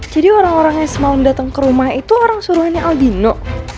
jadi orang orang yang semalam datang ke rumah itu orang suruhannya al bino